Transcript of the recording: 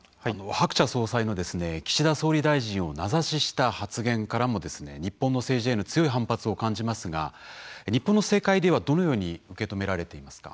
ハクチャ総裁の岸田総理大臣を名指しした発言からも日本の政治への強い反発を感じますが日本の政界ではどのように受け止められていますか？